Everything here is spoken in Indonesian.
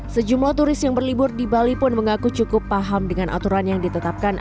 sejumlah turis yang berlibur di bali pun mengaku cukup paham dengan aturan yang ditetapkan